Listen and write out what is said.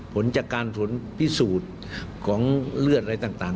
ผลจากการผลพิสูจน์ของเลือดอะไรต่าง